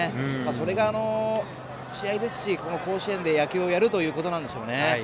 それが試合ですし、この甲子園で野球をやるということなんでしょうね。